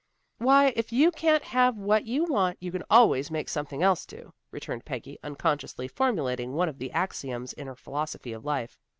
"Why, if you can't have what you want, you can always make something else do," returned Peggy, unconsciously formulating one of the axioms in her philosophy of life.